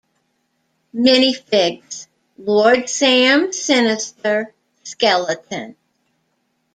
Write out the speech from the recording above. Minifigs: Lord Sam Sinister, Skeleton.